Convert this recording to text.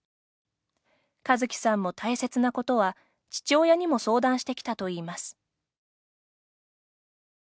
和希さんも大切なことは父親にも相談してきたといいます。